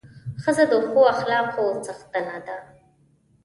ښځه د ښو اخلاقو څښتنه ده.